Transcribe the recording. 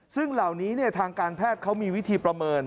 ซึ่งเหล่านี้ทางการแพทย์เขามีวิธีประเมิน